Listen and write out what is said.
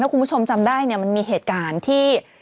คุณผู้ชมจำได้เนี่ยมันมีเหตุการณ์ที่